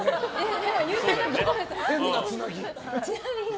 ちなみに。